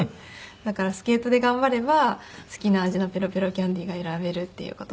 だからスケートで頑張れば好きな味のペロペロキャンディーが選べるっていう事で。